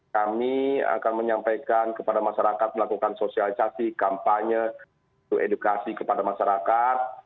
kami akan menyampaikan kepada masyarakat melakukan sosialisasi kampanye untuk edukasi kepada masyarakat